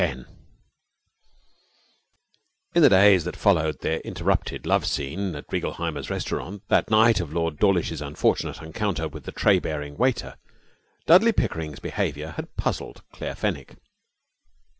10 In the days that followed their interrupted love scene at Reigelheimer's Restaurant that night of Lord Dawlish's unfortunate encounter with the tray bearing waiter, Dudley Pickering's behaviour had perplexed Claire Fenwick.